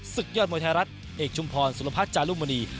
ศึกยอดมวยไทยรัฐเอกชุมพรสุรพัฒน์จารุมณี